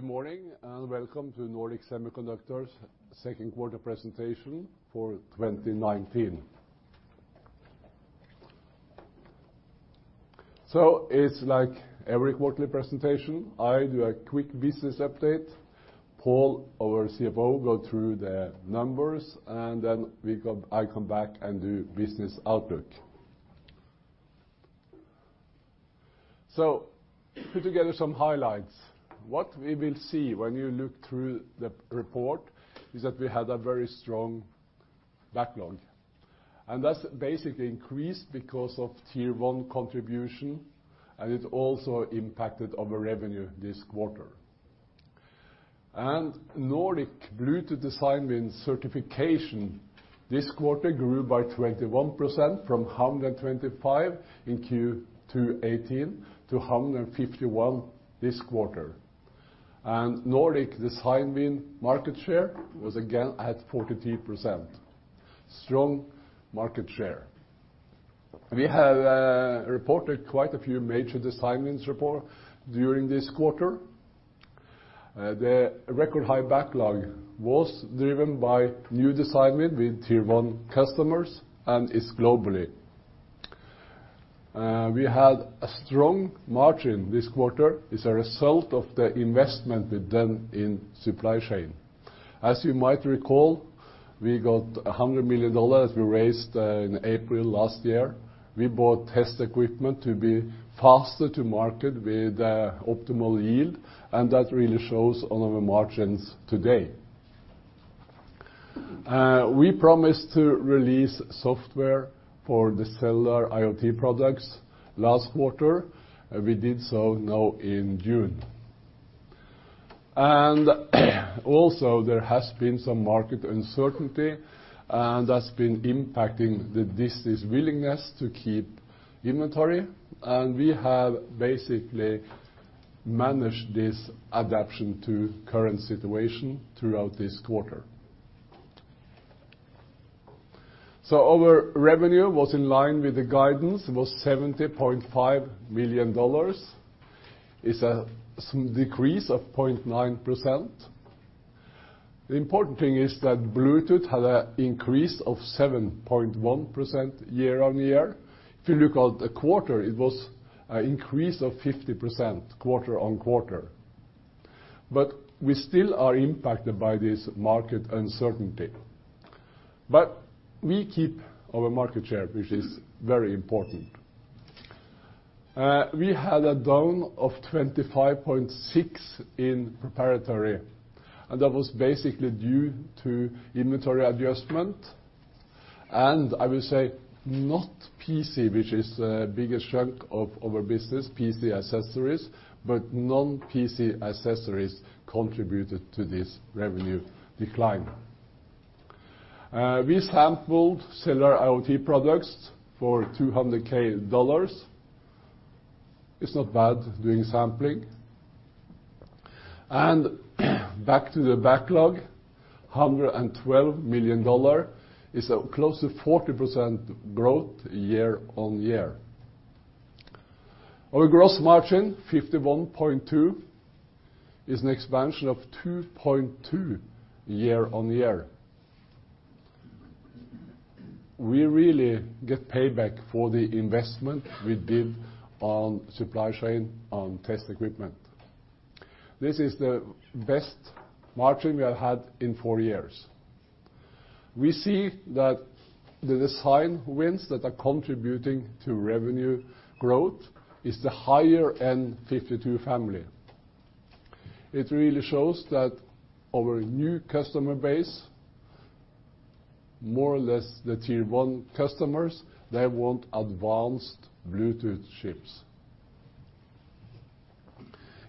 Good morning, and welcome to Nordic Semiconductor's second quarter presentation for 2019. It's like every quarterly presentation. I do a quick business update, Pål, our CFO, go through the numbers, and then I come back and do business outlook. To gather some highlights, what we will see when you look through the report is that we had a very strong backlog, and that's basically increased because of Tier one contribution, and it also impacted our revenue this quarter. Nordic Bluetooth design wins certification this quarter grew by 21% from 125 in Q2 2018 to 151 this quarter. Nordic design win market share was again at 43%. Strong market share. We have reported quite a few major design wins report during this quarter. The record high backlog was driven by new design wins with Tier one customers and is globally. We had a strong margin this quarter as a result of the investment we've done in supply chain. As you might recall, we got $100 million we raised in April last year. We bought test equipment to be faster to market with optimal yield, and that really shows on our margins today. We promised to release software for the cellular IoT products last quarter. We did so now in June. Also there has been some market uncertainty, and that's been impacting the willingness to keep inventory, and we have basically managed this adaption to current situation throughout this quarter. Our revenue was in line with the guidance, was $70.5 million, a decrease of 0.9%. The important thing is that Bluetooth had a increase of 7.1% year-on-year. If you look at the quarter, it was an increase of 50% quarter-on-quarter. We still are impacted by this market uncertainty. We keep our market share, which is very important. We had a down of 25.6% in proprietary, and that was basically due to inventory adjustment. I will say not PC, which is the biggest chunk of our business, PC accessories, but non-PC accessories contributed to this revenue decline. We sampled cellular IoT products for $200,000. It's not bad doing sampling. Back to the backlog, $112 million is a close to 40% growth year-on-year. Our gross margin, 51.2%, is an expansion of 2.2% year-on-year. We really get payback for the investment we did on supply chain on test equipment. This is the best margin we have had in four years. We see that the design wins that are contributing to revenue growth is the higher nRF52 family. It really shows that our new customer base, more or less the Tier one customers, they want advanced Bluetooth chips.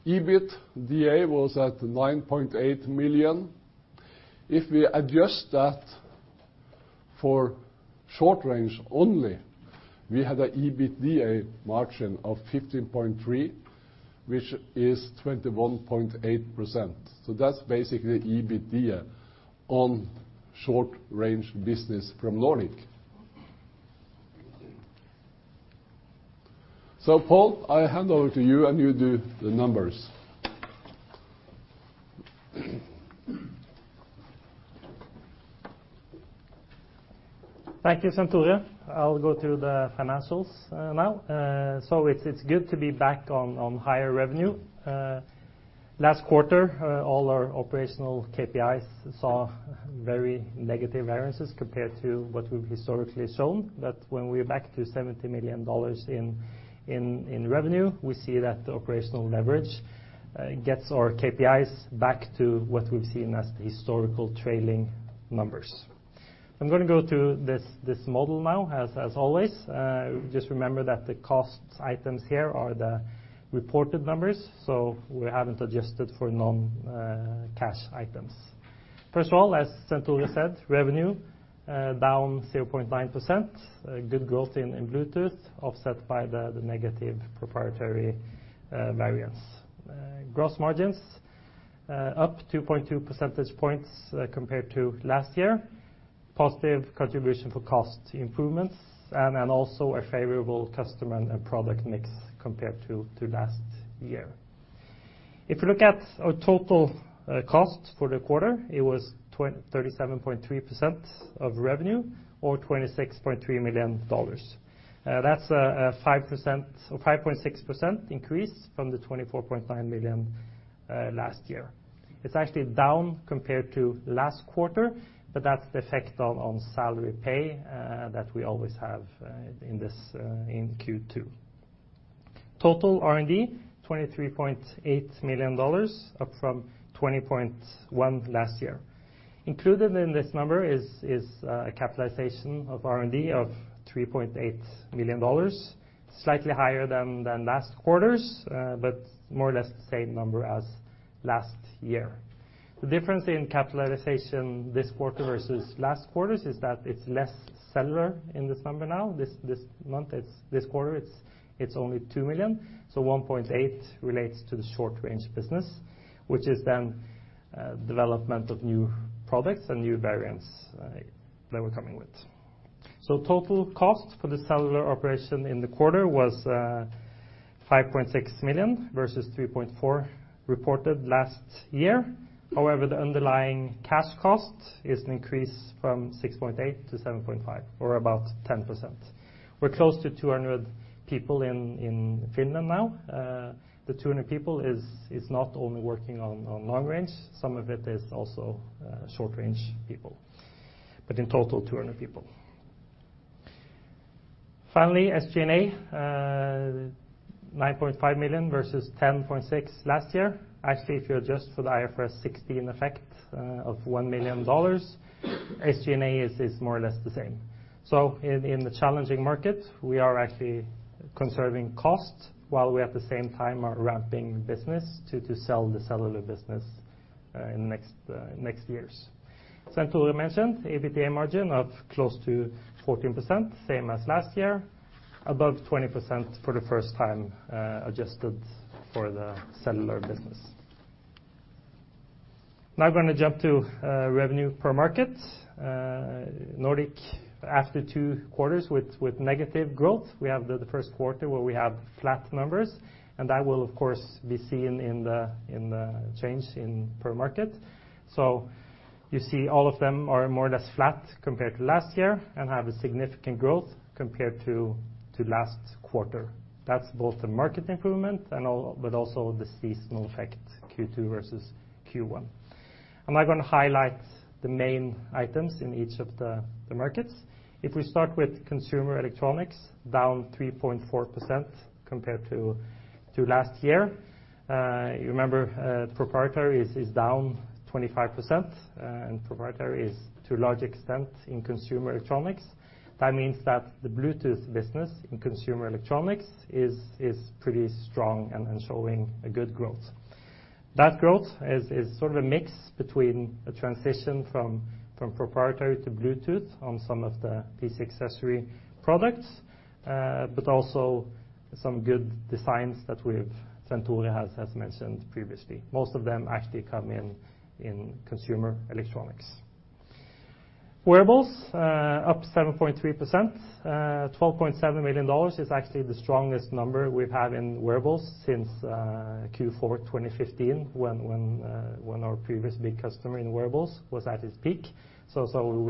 EBITDA was at $9.8 million. If we adjust that for short range only, we have a EBITDA margin of 15.3%, which is 21.8%. That's basically the EBITDA on short range business from Nordic. Pål, I hand over to you and you do the numbers. Thank you, Svenn-Tore. I'll go through the financials now. It's good to be back on higher revenue. Last quarter, all our operational KPIs saw very negative variances compared to what we've historically shown. When we're back to $70 million in revenue, we see that the operational leverage gets our KPIs back to what we've seen as the historical trailing numbers. I'm going to go through this model now, as always. Just remember that the cost items here are the reported numbers, so we haven't adjusted for non-cash items. First of all, as Svenn-Tore said, revenue down 0.9%, good growth in Bluetooth, offset by the negative proprietary variance. Gross margins up 2.2 percentage points compared to last year. Positive contribution for cost improvements, and also a favorable customer and product mix compared to last year. If you look at our total cost for the quarter, it was 37.3% of revenue or $26.3 million. That's a 5.6% increase from the $24.9 million last year. That's actually down compared to last quarter, but that's the effect on salary pay that we always have in Q2. Total R&D, $23.8 million, up from $20.1 million last year. Included in this number is a capitalization of R&D of $3.8 million, slightly higher than last quarter's, but more or less the same number as last year. The difference in capitalization this quarter versus last quarter's, is that it's less cellular in this number now. This quarter it's only $2 million, so $1.8 million relates to the short-range business, which is then development of new products and new variants that we're coming with. Total cost for the cellular operation in the quarter was $5.6 million versus $3.4 million reported last year. However, the underlying cash cost is an increase from $6.8 million to $7.5 million, or about 10%. We're close to 200 people in Finland now. The 200 people is not only working on long range. Some of it is also short-range people. In total, 200 people. Finally, SG&A, $9.5 million versus $10.6 million last year. Actually, if you adjust for the IFRS 16 effect of $1 million, SG&A is more or less the same. In the challenging market, we are actually conserving costs while we, at the same time, are ramping business to sell the cellular business in next years. As Svenn-Tore mentioned, EBITDA margin of close to 14%, same as last year, above 20% for the first time, adjusted for the cellular business. We're going to jump to revenue per market. Nordic, after two quarters with negative growth, we have the first quarter where we have flat numbers, and that will, of course, be seen in the change in per market. You see all of them are more or less flat compared to last year and have a significant growth compared to last quarter. That's both the market improvement but also the seasonal effect, Q2 versus Q1. I'm now going to highlight the main items in each of the markets. If we start with consumer electronics, down 3.4% compared to last year. You remember proprietary is down 25%, and proprietary is to a large extent in consumer electronics. That means that the Bluetooth business in consumer electronics is pretty strong and showing a good growth. That growth is sort of a mix between a transition from proprietary to Bluetooth on some of the PC accessory products, but also some good designs that Svenn-Tore has mentioned previously. Most of them actually come in consumer electronics. Wearables, up 7.3%. $12.7 million is actually the strongest number we've had in wearables since Q4 2015 when our previous big customer in wearables was at its peak. We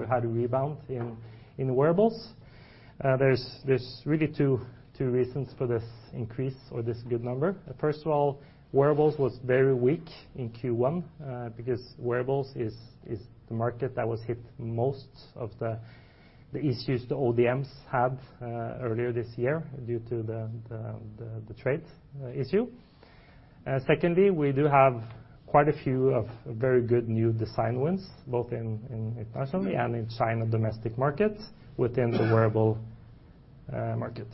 had a rebound in wearables. There's really two reasons for this increase or this good number. First of all, wearables was very weak in Q1, because wearables is the market that was hit most of the issues the ODMs had earlier this year due to the trade issue. Secondly, we do have quite a few of very good new design wins, both internationally and in China domestic market within the wearable market.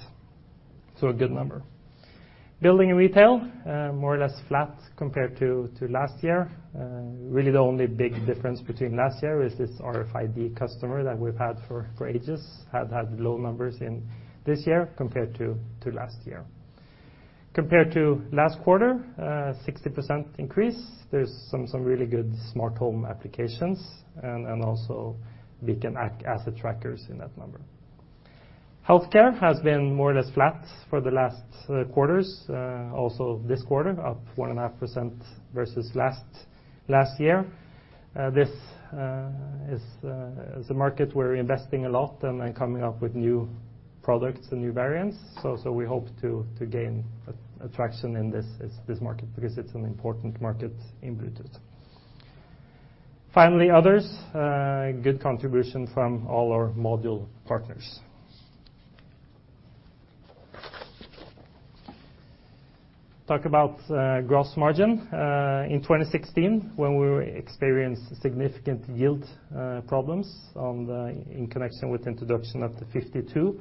A good number. Building and retail, more or less flat compared to last year. Really, the only big difference between last year is this RFID customer that we've had for ages, has had low numbers in this year compared to last year. Compared to last quarter, 16% increase. There's some really good smart home applications, and also beacon asset trackers in that number. Healthcare has been more or less flat for the last quarters. Also this quarter, up 1.5% versus last year. This is a market we're investing a lot and coming up with new products and new variants. We hope to gain attraction in this market because it's an important market in Bluetooth. Finally, others. Good contribution from all our module partners. Talk about gross margin. In 2016, when we experienced significant yield problems in connection with introduction of the 52,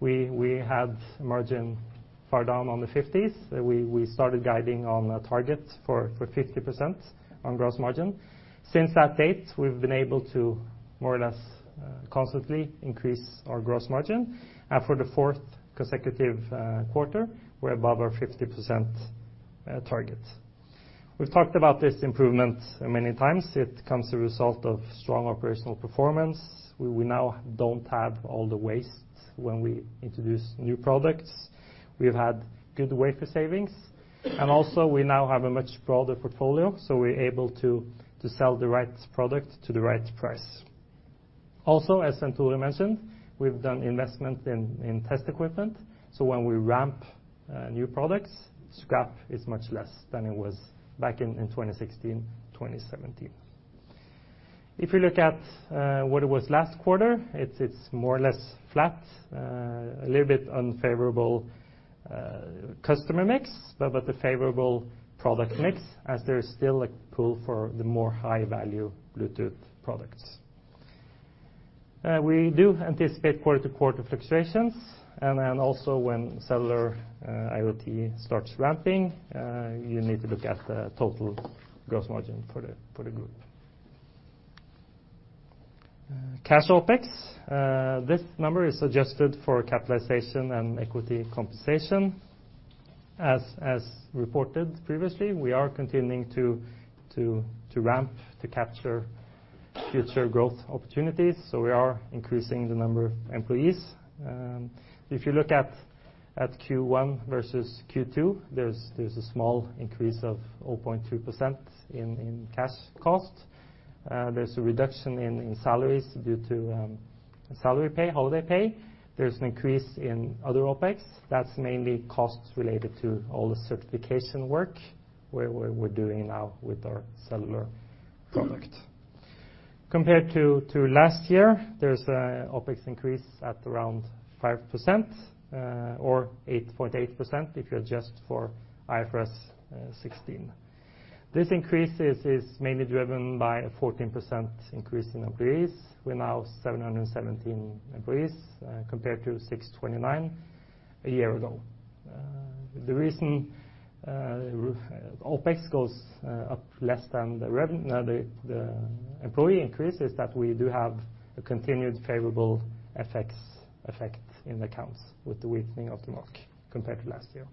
we had margin far down on the 50s. We started guiding on a target for 50% on gross margin. Since that date, we've been able to more or less constantly increase our gross margin. For the fourth consecutive quarter, we're above our 50% target. We've talked about this improvement many times. It comes a result of strong operational performance, where we now don't have all the waste when we introduce new products. We've had good wafer savings, and also we now have a much broader portfolio, we're able to sell the right product to the right price. Also, as Svenn-Tore mentioned, we've done investment in test equipment, when we ramp new products, scrap is much less than it was back in 2016, 2017. If you look at what it was last quarter, it's more or less flat. A little bit unfavorable customer mix, but a favorable product mix as there's still a pull for the more high-value Bluetooth products. We do anticipate quarter to quarter fluctuations and then also when cellular IoT starts ramping, you need to look at the total gross margin for the group. Cash OPEX. This number is adjusted for capitalization and equity compensation. As reported previously, we are continuing to ramp to capture future growth opportunities. We are increasing the number of employees. If you look at Q1 versus Q2, there's a small increase of 0.2% in cash cost. There's a reduction in salaries due to salary pay, holiday pay. There's an increase in other OPEX. That's mainly costs related to all the certification work where we're doing now with our cellular product. Compared to last year, there's a OPEX increase at around 5% or 8.8% if you adjust for IFRS 16. This increase is mainly driven by a 14% increase in employees. We're now 717 employees compared to 629 a year ago. The reason OPEX goes up less than the employee increase is that we do have a continued favorable effect in the accounts with the weakening of the NOK compared to last year.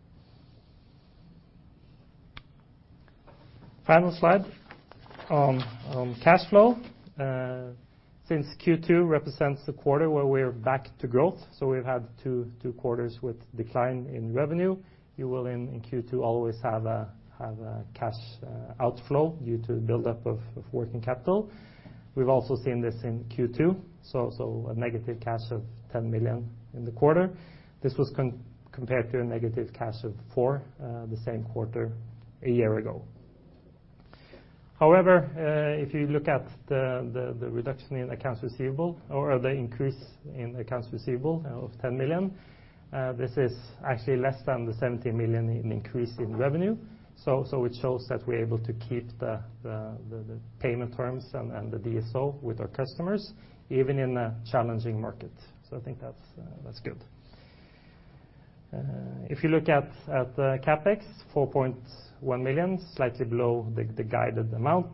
Final slide. On cash flow. Since Q2 represents the quarter where we're back to growth, we've had two quarters with decline in revenue. You will in Q2 always have a cash outflow due to the buildup of working capital. We've also seen this in Q2, so a negative cash of 10 million in the quarter. This was compared to a negative cash of 4 million the same quarter a year ago. If you look at the reduction in accounts receivable or the increase in accounts receivable of 10 million, this is actually less than the 17 million in increase in revenue. It shows that we're able to keep the payment terms and the DSO with our customers even in a challenging market. I think that's good. If you look at CAPEX, 4.1 million, slightly below the guided amount.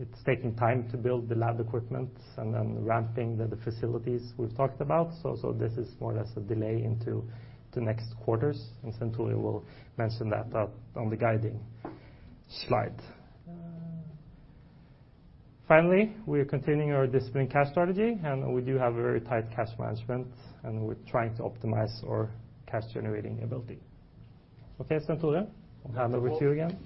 It's taking time to build the lab equipment and then ramping the facilities we've talked about. This is more or less a delay into the next quarters, and Svenn-Tore will mention that on the guiding slide. Finally, we are continuing our disciplined cash strategy, and we do have a very tight cash management, and we're trying to optimize our cash generating ability. Okay, Svenn-Tore, I'll hand over to you again.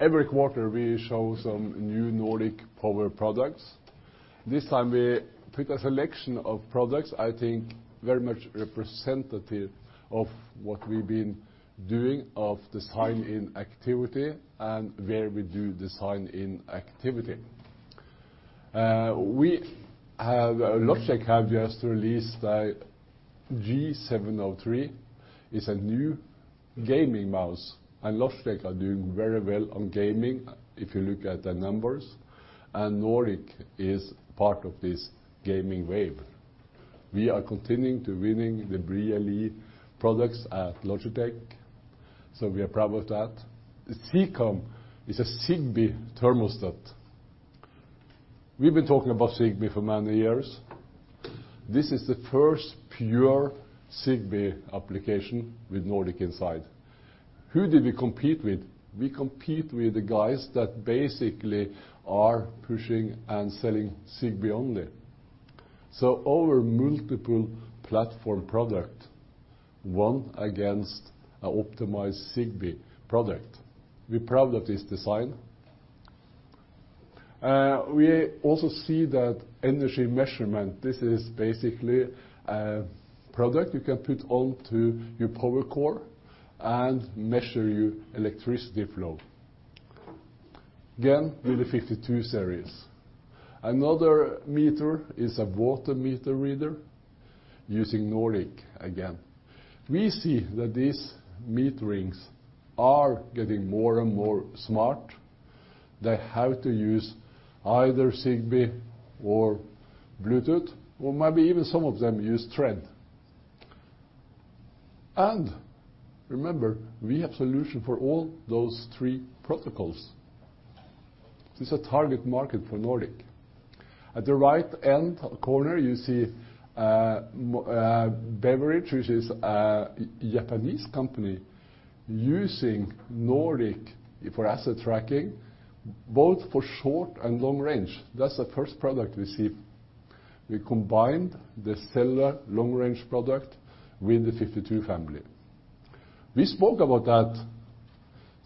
Every quarter, we show some new Nordic Powered products. This time we pick a selection of products, I think very much representative of what we've been doing of design-in activity and where we do design-in activity. Logitech have just released a G703. It's a new gaming mouse. Logitech are doing very well on gaming if you look at the numbers, and Nordic is part of this gaming wave. We are continuing to winning the Brio products at Logitech. We are proud of that. Sikom is a Zigbee thermostat. We've been talking about Zigbee for many years. This is the first pure Zigbee application with Nordic inside. Who did we compete with? We compete with the guys that basically are pushing and selling Zigbee only. Our multiple platform product won against an optimized Zigbee product. We're proud of this design. We also see that energy measurement, this is basically a product you can put onto your power core and measure your electricity flow. Again, with the nRF52 series. Another meter is a water meter reader using Nordic again. We see that these meterings are getting more and more smart. They have to use either Zigbee or Bluetooth, or maybe even some of them use Thread. Remember, we have solutions for all those three protocols. This is a target market for Nordic. At the right end corner, you see Alps Alpine, which is a Japanese company using Nordic for asset tracking, both for short and long range. That's the first product we see. We combined the cellular long-range product with the nRF52 family. We spoke about that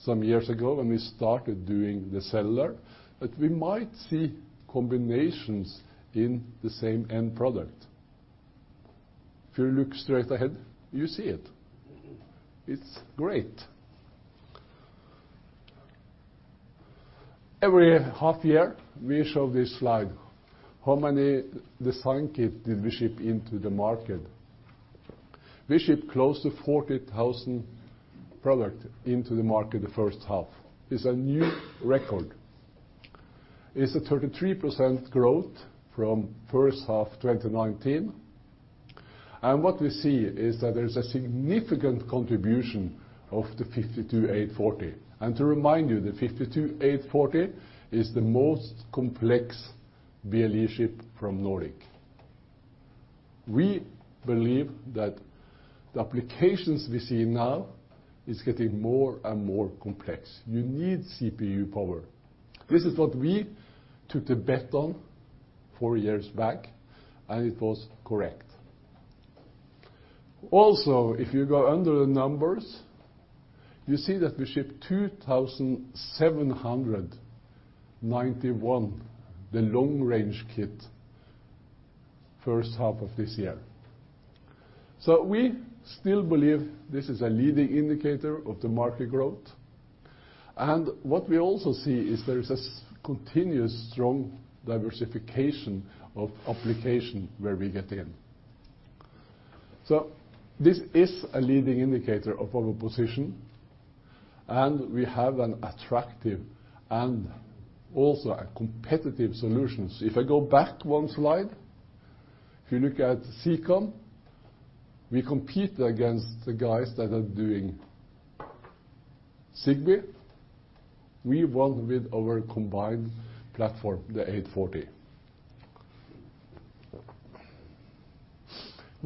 some years ago when we started doing the cellular, that we might see combinations in the same end product. If you look straight ahead, you see it. It's great. Every half year, we show this slide. How many design kits did we ship into the market? We ship close to 40,000 products into the market the first half. It's a new record. It's a 33% growth from first half 2019. What we see is that there's a significant contribution of the nRF52840. To remind you, the nRF52840 is the most complex BLE chip from Nordic Semiconductor. We believe that the applications we see now are getting more and more complex. You need CPU power. This is what we took the bet on four years back, and it was correct. Also, if you go under the numbers, you see that we ship 2,791 the long-range kit first half of this year. We still believe this is a leading indicator of the market growth. What we also see is there is a continuous strong diversification of applications where we get in. This is a leading indicator of our position, and we have an attractive and also a competitive solution. If I go back one slide, if you look at Sikom, we compete against the guys that are doing Zigbee. We won with our combined platform, the nRF52840. It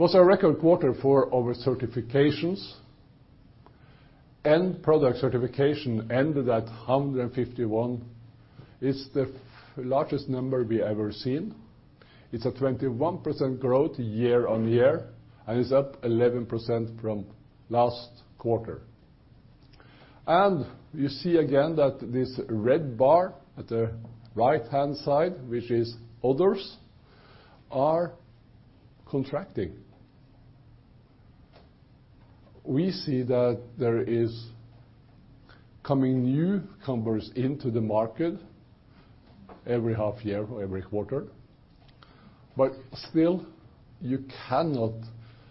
was a record quarter for our certifications and product certification ended at 151. It's the largest number we have ever seen. It's a 21% growth year-on-year, and it's up 11% from last quarter. You see again that this red bar at the right-hand side, which is others, is contracting. We see that there is coming newcomers into the market every half year or every quarter, but still, you cannot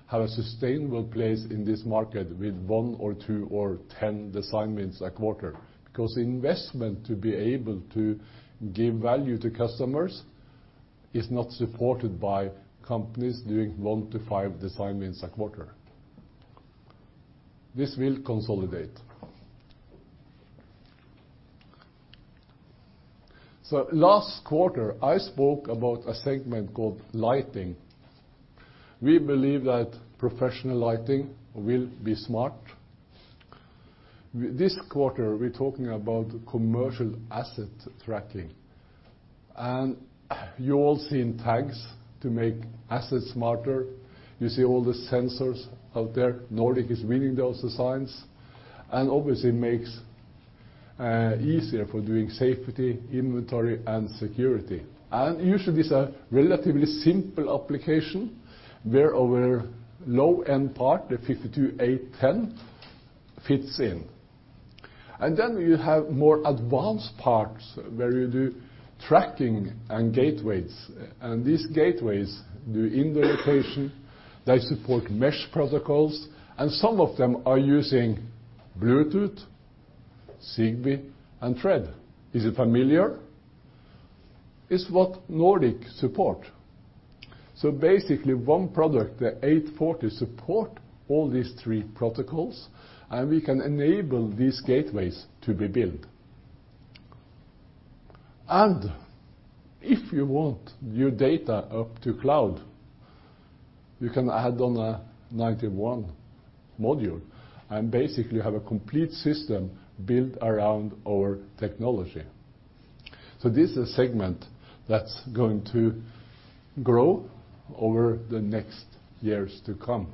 have a sustainable place in this market with one or two or 10 design wins a quarter. Because investment to be able to give value to customers is not supported by companies doing one to five design wins a quarter. This will consolidate. Last quarter, I spoke about a segment called lighting. We believe that professional lighting will be smart. This quarter, we're talking about commercial asset tracking. You have all seen tags to make assets smarter. You see all the sensors out there. Nordic Semiconductor is reading those signs and obviously makes it easier for doing safety, inventory, and security. Usually, it's a relatively simple application where our low-end part, the nRF52810, fits in. Then you have more advanced parts where you do tracking and gateways, and these gateways do indoor location. They support mesh protocols, and some of them are using Bluetooth, Zigbee, and Thread. Is it familiar? It's what Nordic Semiconductor supports. Basically, one product, the nRF52840, supports all these three protocols, and we can enable these gateways to be built. If you want your data up to cloud, you can add on an nRF91 module and basically have a complete system built around our technology. This is a segment that's going to grow over the next years to come.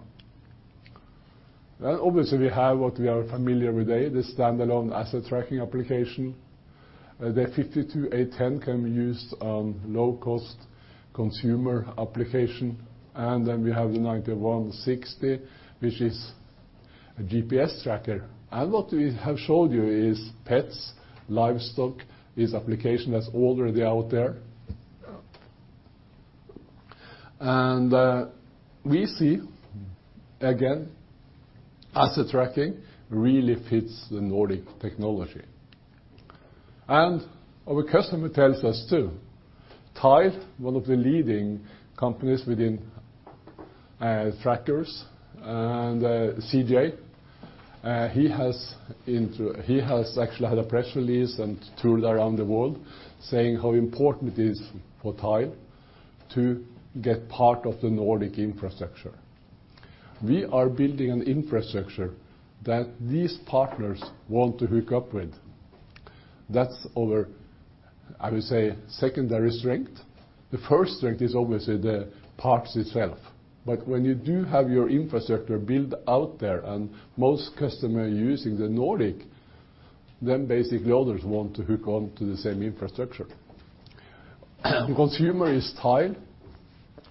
Obviously, we have what we are familiar with today, the standalone asset tracking application. The nRF52810 can be used on low-cost consumer applications. Then we have the nRF9160, which is a GPS tracker. What we have showed you is pets, livestock, is application that's already out there. We see again, asset tracking really fits the Nordic technology. Our customer tells us, too. Tive, one of the leading companies within trackers and Sikom. He has actually had a press release and toured around the world saying how important it is for Tile to get part of the Nordic infrastructure. We are building an infrastructure that these partners want to hook up with. That's our, I would say, secondary strength. The first strength is obviously the parts itself, but when you do have your infrastructure built out there and most customers are using the Nordic, then basically others want to hook onto the same infrastructure. Consumer is Tile.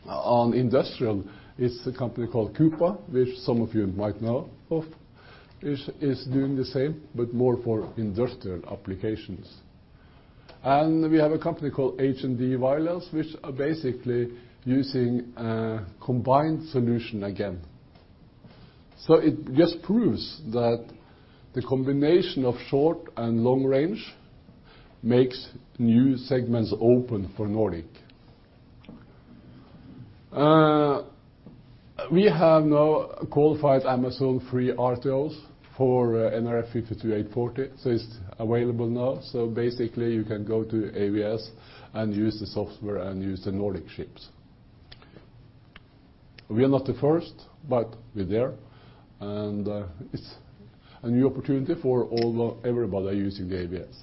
On industrial, it's a company called KUKA, which some of you might know of. It's doing the same but more for industrial applications. We have a company called H&D Wireless, which are basically using a combined solution again. It just proves that the combination of short and long range makes new segments open for Nordic. We have now qualified Amazon FreeRTOS for nRF52840, so it's available now. Basically you can go to AWS and use the software and use the Nordic chips. We are not the first, but we're there, and it's a new opportunity for everybody using the AWS.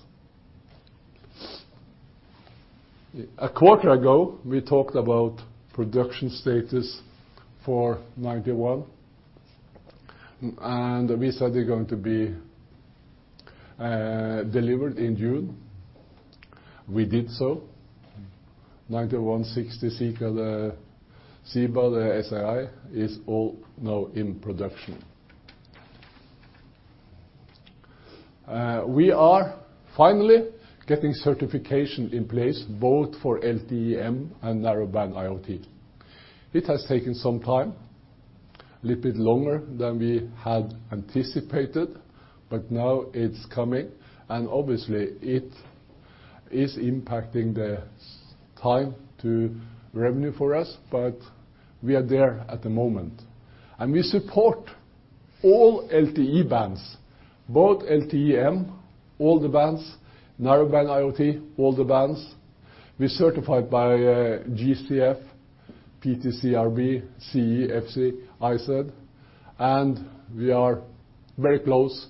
A quarter ago, we talked about production status for nRF91, and we said they're going to be delivered in June. We did so. nRF9160 SiP is all now in production. We are finally getting certification in place both for LTE-M and Narrowband IoT. It has taken some time, a little bit longer than we had anticipated, but now it's coming, and obviously it is impacting the time to revenue for us, but we are there at the moment. We support all LTE bands, both LTE-M, all the bands, Narrowband IoT, all the bands. We're certified by GCF, PTCRB, CE, FCC, ISED, and we are very close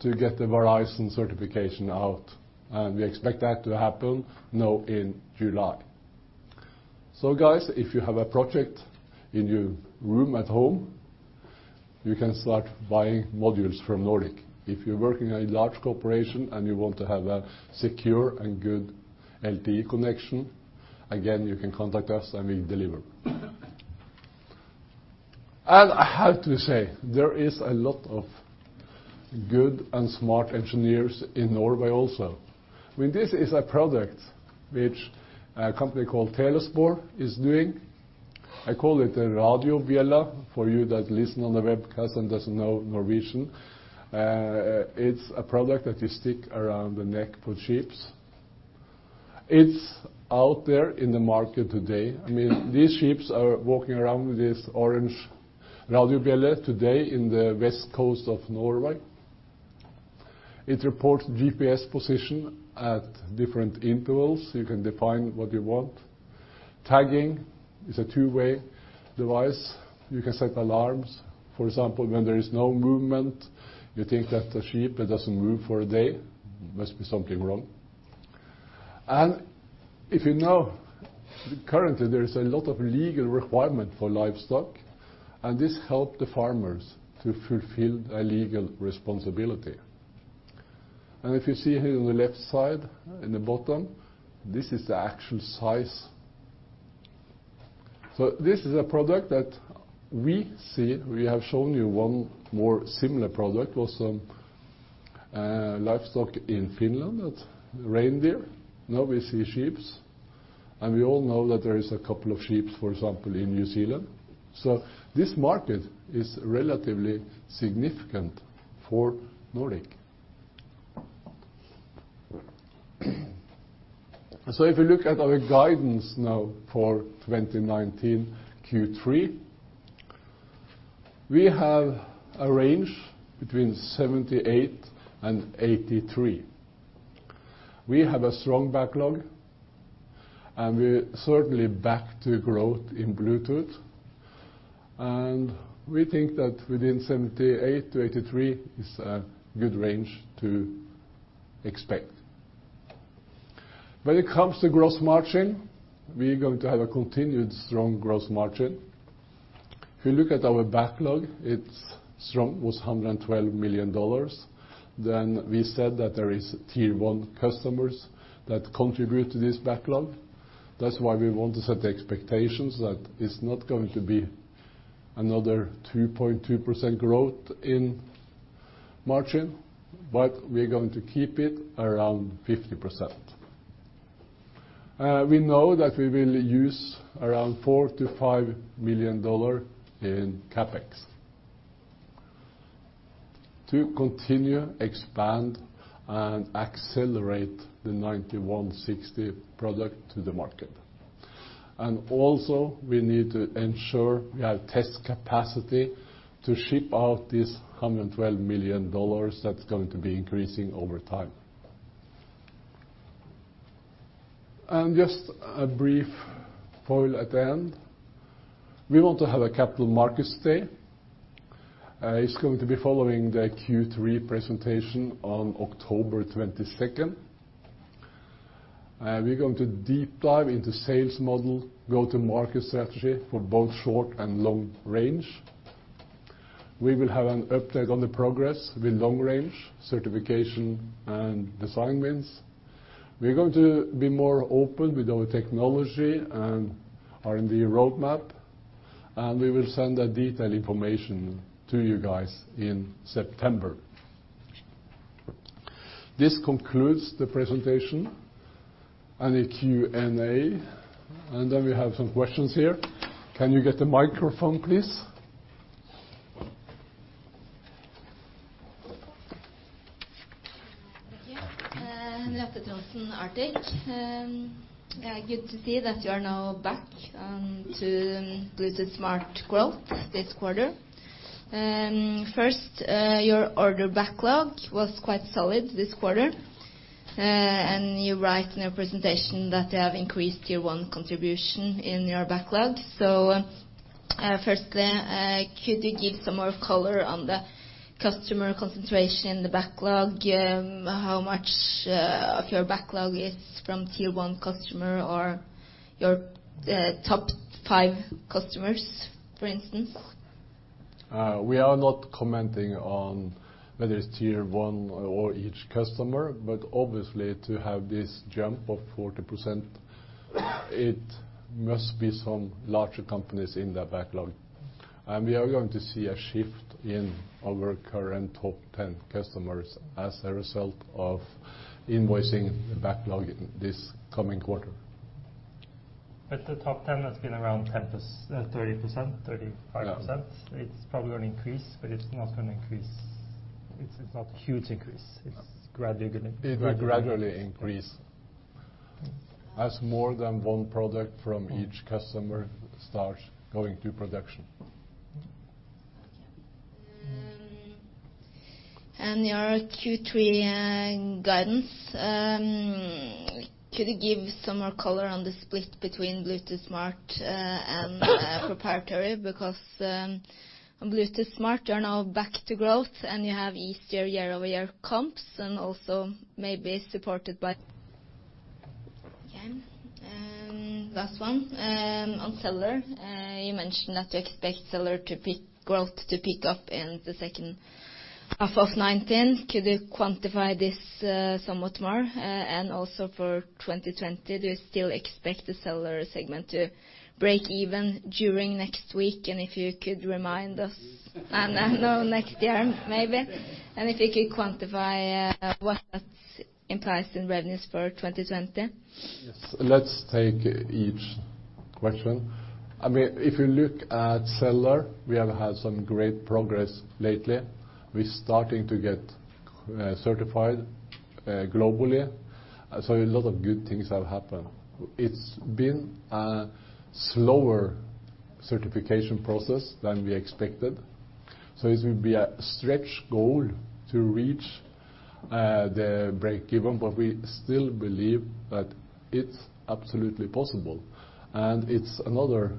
to get the Verizon certification out, and we expect that to happen now in July. Guys, if you have a project in your room at home, you can start buying modules from Nordic. If you're working in a large corporation and you want to have a secure and good LTE connection, again, you can contact us and we deliver. I have to say, there is a lot of good and smart engineers in Norway also. This is a product which a company called Telespor is doing. I call it a radiobjella. For you that listen on the webcast and doesn't know Norwegian, it's a product that you stick around the neck for sheeps. It's out there in the market today. These sheeps are walking around with this orange radiobjella today in the west coast of Norway. It reports GPS position at different intervals. You can define what you want. Tagging is a two-way device. You can set alarms. For example, when there is no movement, you think that the sheep, it doesn't move for a day, must be something wrong. If you know, currently there is a lot of legal requirement for livestock, and this help the farmers to fulfill a legal responsibility. If you see here on the left side, in the bottom, this is the actual size. This is a product that we see. We have shown you one more similar product, was livestock in Finland. That is reindeer. Now we see sheep. We all know that there is a couple of sheep, for example, in New Zealand. This market is relatively significant for Nordic. If you look at our guidance now for 2019 Q3, we have a range between $78 million and $83 million. We have a strong backlog, and we are certainly back to growth in Bluetooth. We think that within $78 million-$83 million is a good range to expect. When it comes to gross margin, we are going to have a continued strong gross margin. If you look at our backlog, it is strong. Was $112 million. We said that there are Tier one customers that contribute to this backlog. That is why we want to set the expectations that it is not going to be another 2.2% growth in margin, but we are going to keep it around 50%. We know that we will use around $4 million to $5 million in CAPEX to continue, expand and accelerate the nRF9160 product to the market. Also, we need to ensure we have test capacity to ship out this $112 million that is going to be increasing over time. Just a brief poll at the end. We want to have a capital markets day. It is going to be following the Q3 presentation on October 22nd. We are going to deep dive into sales model, go-to-market strategy for both short and long range. We will have an update on the progress with long range certification and design wins. We are going to be more open with our technology and R&D roadmap. We will send that detailed information to you guys in September. This concludes the presentation and the Q&A. We have some questions here. Can you get the microphone, please? Thank you. Henriette Trondsen, Arctic. Good to see that you are now back onto Bluetooth Smart growth this quarter. First, your order backlog was quite solid this quarter. You write in your presentation that you have increased your Tier 1 contribution in your backlog. Firstly, could you give some more color on the customer concentration, the backlog, how much of your backlog is from Tier one customer or your top five customers, for instance? We are not commenting on whether it's tier 1 or each customer, but obviously to have this jump of 40%, it must be some larger companies in the backlog. We are going to see a shift in our current top 10 customers as a result of invoicing the backlog this coming quarter. The top 10 has been around 30%, 35%. Yeah. It's probably going to increase, but it's not a huge increase. It will gradually increase as more than one product from each customer starts going to production. Okay. Your Q3 guidance, could you give some more color on the split between Bluetooth Smart and proprietary? Because on Bluetooth Smart, you are now back to growth and you have easier year-over-year comps and also may be supported by Okay. Last one, on cellular. You mentioned that you expect cellular growth to pick up in the second half of 2019. Could you quantify this somewhat more? Also for 2020, do you still expect the cellular segment to break even during next year? If you could remind us- Next year. I know next year, maybe. If you could quantify what that implies in revenues for 2020? Yes. Let's take each question. If you look at cellular, we have had some great progress lately. We're starting to get certified globally. A lot of good things have happened. It's been a slower certification process than we expected. This will be a stretch goal to reach the break even, but we still believe that it's absolutely possible, and it's another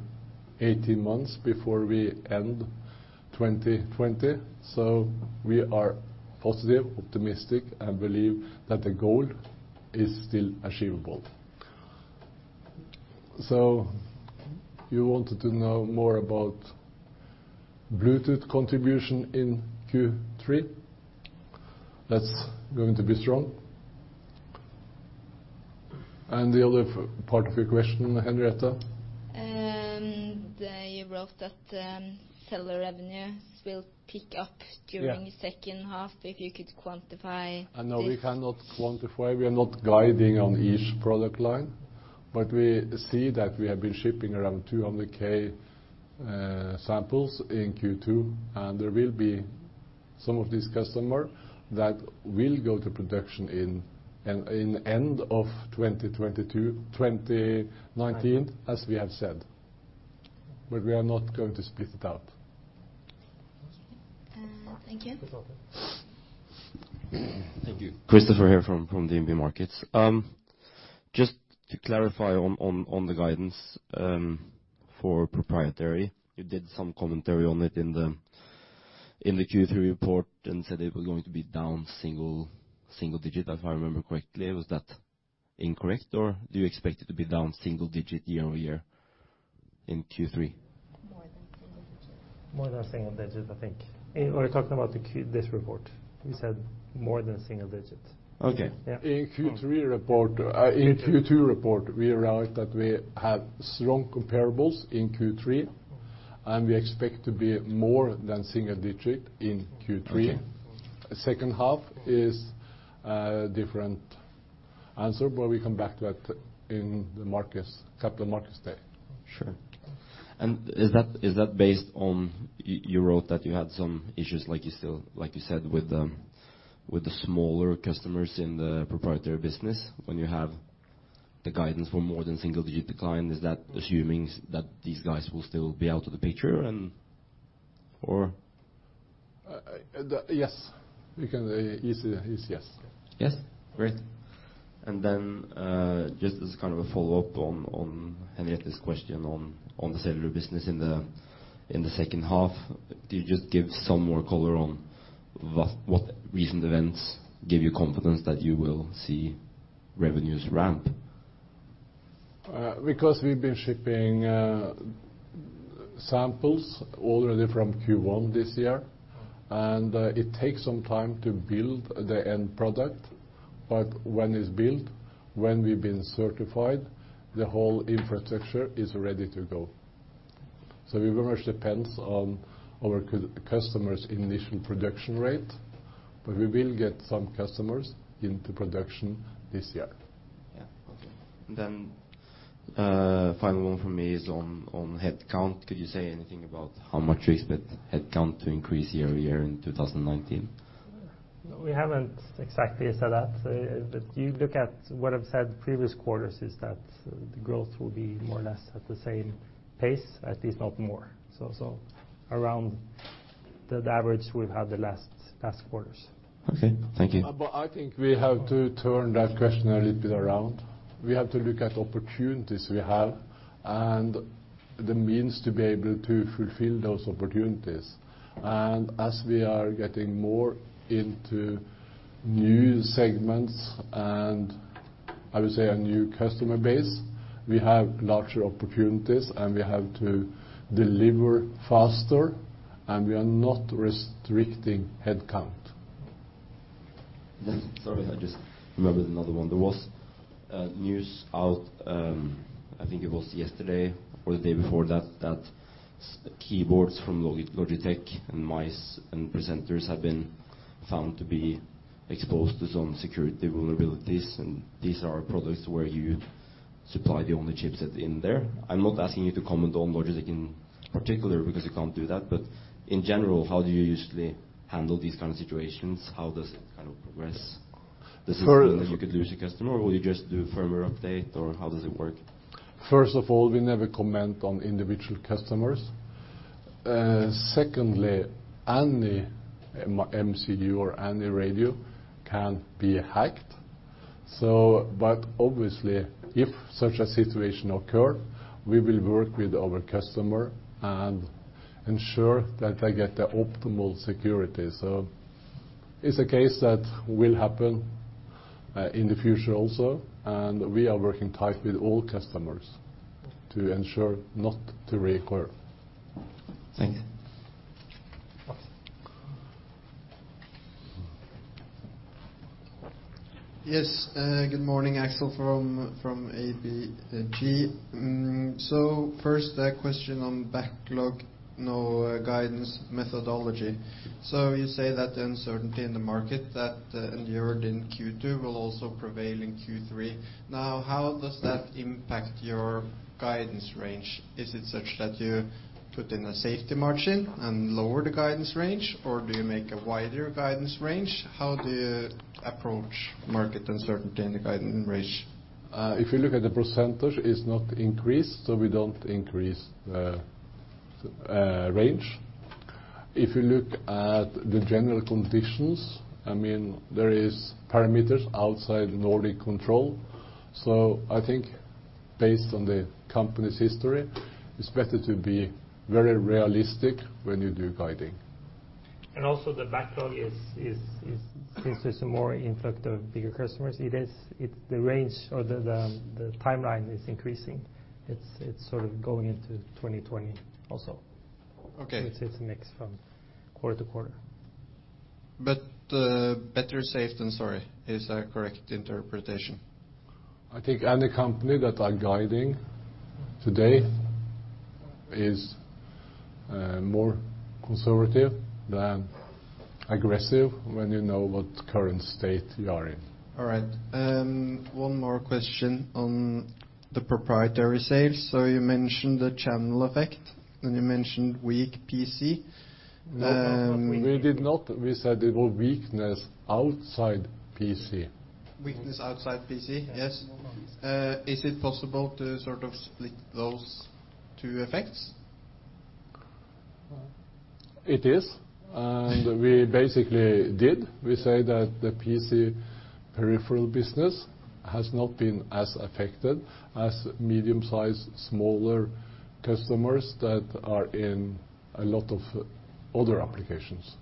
18 months before we end 2020. We are positive, optimistic, and believe that the goal is still achievable. You wanted to know more about Bluetooth contribution in Q3. That's going to be strong. The other part of your question, Henriette? You wrote that cellular revenues will pick up during. Yeah The second half. If you could quantify this? No, we cannot quantify. We are not guiding on each product line. We see that we have been shipping around 200K samples in Q2, and there will be some of this customer that will go to production in end of 2019. 19 As we have said. We are not going to split it out. Okay. Thank you. You're welcome. Thank you. Christoffer here from DNB Markets. Just to clarify on the guidance for proprietary, you did some commentary on it in the Q3 report and said it was going to be down single digit, if I remember correctly. Was that incorrect, or do you expect it to be down single digit year-over-year in Q3? More than single digit. More than single digit, I think. We're talking about this report. We said more than single digit. Okay. Yeah. In Q2 report, we wrote that we have strong comparables in Q3, and we expect to be more than single digit in Q3. Okay. Second half is a different answer, but we come back to that in the capital markets day. Sure. Is that based on, you wrote that you had some issues, like you said, with the smaller customers in the proprietary business when you have the guidance for more than single-digit decline. Is that assuming that these guys will still be out of the picture? Or Yes. You can say yes. Yes? Great. Then, just as a follow-up on Henriette's question on the cellular business in the second half. Can you just give some more color on what recent events give you confidence that you will see revenues ramp? We've been shipping samples already from Q1 this year, and it takes some time to build the end product, but when it's built, when we've been certified, the whole infrastructure is ready to go. We very much depend on our customers' initial production rate, but we will get some customers into production this year. Yeah. Okay. Final one from me is on headcount. Could you say anything about how much you expect headcount to increase year-over-year in 2019? We haven't exactly said that. You look at what I've said previous quarters is that the growth will be more or less at the same pace, at least not more. Around the average we've had the last quarters. Okay. Thank you. I think we have to turn that question a little bit around. We have to look at opportunities we have and the means to be able to fulfill those opportunities. As we are getting more into new segments, and I would say a new customer base, we have larger opportunities, and we have to deliver faster, and we are not restricting headcount. I just remembered another one. There was news out, I think it was yesterday or the day before that keyboards from Logitech and mice and presenters have been found to be exposed to some security vulnerabilities, and these are products where you supply the only chipset in there. I'm not asking you to comment on Logitech in particular, because you can't do that. In general, how do you usually handle these kind of situations? How does it progress? First- Is it possible that you could lose a customer, or will you just do a firmware update, or how does it work? First of all, we never comment on individual customers. Secondly, any MCU or any radio can be hacked. Obviously, if such a situation occurs, we will work with our customer and ensure that they get the optimal security. It's a case that will happen in the future also, and we are working tight with all customers to ensure not to reoccur. Thank you. Okay. Yes. Good morning. Aksel from ABG. First, a question on backlog, no guidance methodology. You say that the uncertainty in the market that endured in Q2 will also prevail in Q3. How does that impact your guidance range? Is it such that you put in a safety margin and lower the guidance range, or do you make a wider guidance range? How do you approach market uncertainty in the guidance range? If you look at the percentage, it's not increased, we don't increase the range. If you look at the general conditions, there is parameters outside Nordic control. I think based on the company's history, it's better to be very realistic when you do guiding. Also the backlog is, since there's more inflow of bigger customers, the range or the timeline is increasing. It's going into 2020 also. Okay. Which it makes from quarter to quarter. better safe than sorry. Is that a correct interpretation? I think any company that are guiding today is more conservative than aggressive when you know what current state you are in. All right. One more question on the proprietary sales. You mentioned the channel effect, then you mentioned weak PC. No, we did not. We said it was weakness outside PC. Weakness outside PC. Yes. Is it possible to split those two effects? It is. We basically did. We say that the PC peripheral business has not been as affected as medium-sized, smaller customers that are in a lot of other applications.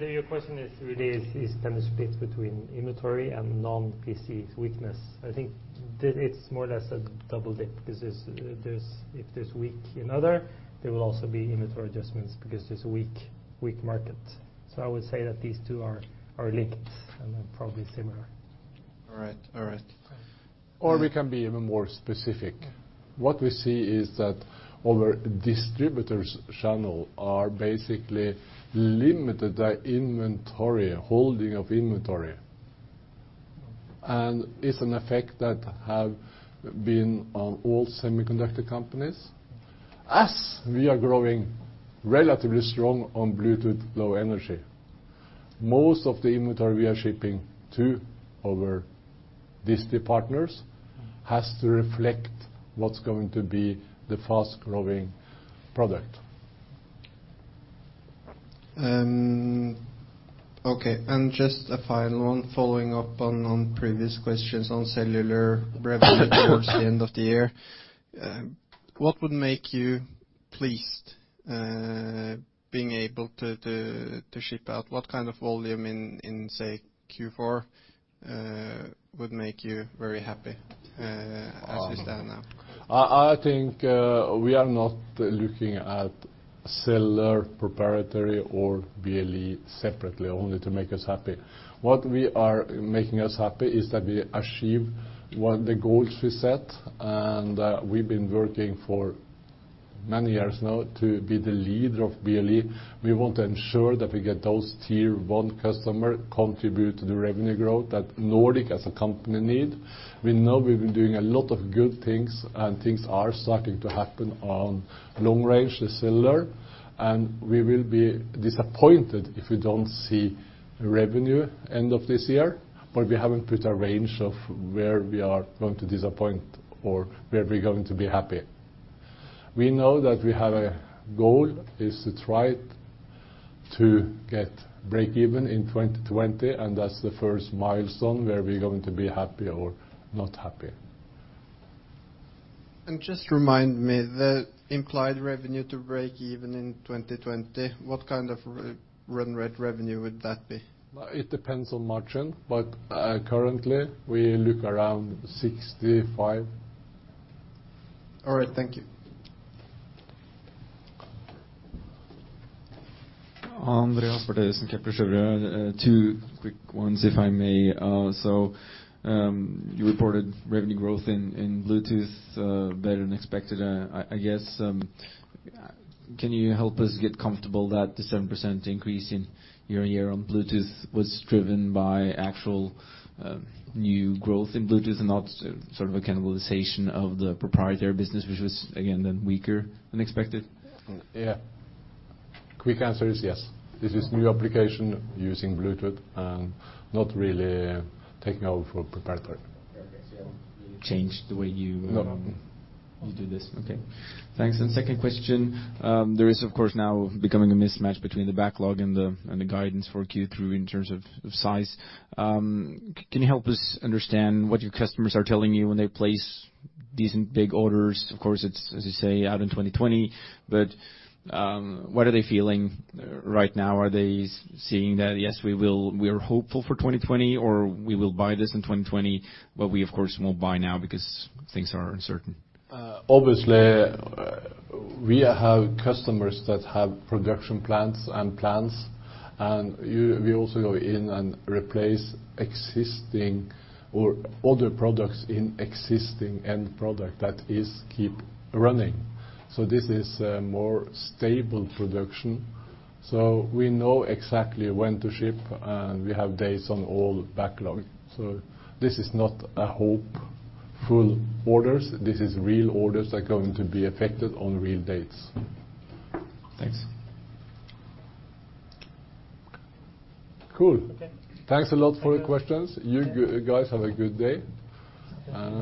Your question is really, can you split between inventory and non-PC weakness? I think it's more or less a double dip, because if there's weak in other, there will also be inventory adjustments because there's a weak market. I would say that these two are linked and are probably similar. All right. We can be even more specific. What we see is that our distributors' channel are basically limited by inventory, holding of inventory. It's an effect that have been on all semiconductor companies. As we are growing relatively strong on Bluetooth Low Energy, most of the inventory we are shipping to our disti partners has to reflect what's going to be the fast-growing product. Okay, just a final one following up on previous questions on cellular revenue towards the end of the year. What would make you pleased being able to ship out? What kind of volume in, say, Q4 would make you very happy as we stand now? I think we are not looking at cellular proprietary or BLE separately, only to make us happy. What we are making us happy is that we achieve the goals we set. We've been working for many years now to be the leader of BLE. We want to ensure that we get those Tier one customer contribute to the revenue growth that Nordic, as a company, need. We know we've been doing a lot of good things. Things are starting to happen on long range with cellular. We will be disappointed if we don't see revenue end of this year. We haven't put a range of where we are going to disappoint or where we're going to be happy. We know that we have a goal is to try to get breakeven in 2020. That's the first milestone where we're going to be happy or not happy. Just remind me, the implied revenue to breakeven in 2020, what kind of run rate revenue would that be? It depends on margin, currently we look around 65. All right. Thank you. Andreas Bertheussen, Kepler Cheuvreux. Two quick ones if I may. You reported revenue growth in Bluetooth better than expected. I guess, can you help us get comfortable that the 7% increase in year-on-year on Bluetooth was driven by actual new growth in Bluetooth and not sort of a cannibalization of the proprietary business, which was again then weaker than expected? Yeah. Quick answer is yes. Okay. This is new application using Bluetooth and not really taking over proprietary. Okay. You haven't really changed the way. No you do this. Okay. Thanks. Second question, there is of course now becoming a mismatch between the backlog and the guidance for Q3 in terms of size. Can you help us understand what your customers are telling you when they place these big orders? Of course, it's as you say, out in 2020, but what are they feeling right now? Are they saying that, "Yes, we are hopeful for 2020," or, "We will buy this in 2020, but we of course won't buy now because things are uncertain"? Obviously, we have customers that have production plans and plans, and we also go in and replace existing or other products in existing end product that is keep running. This is a more stable production. We know exactly when to ship, and we have dates on all backlog. This is not a hopeful orders. This is real orders that are going to be affected on real dates. Thanks. Cool. Okay. Thanks a lot for your questions. You guys have a good day and.